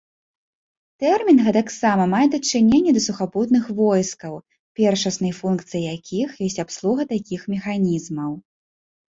Тэрмін гэтаксама мае дачыненне да сухапутных войскаў, першаснай функцыяй якіх ёсць абслуга такіх механізмаў.